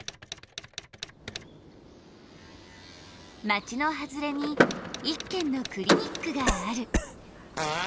町の外れに一軒のクリニックがある。